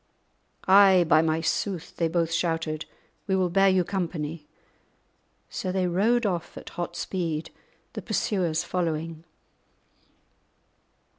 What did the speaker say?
"Ay, by my sooth," they both shouted, "we will bear you company." So they rode off at hot speed, the pursuers following.